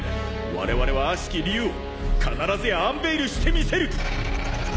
我々はあしき竜を必ずやアンベイルしてみせる！